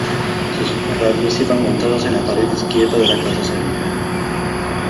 Sus radios iban montados en la pared izquierda de la carrocería.